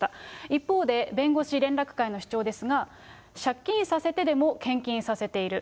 一方で、弁護士連絡会の主張ですが、借金させてでも献金させている。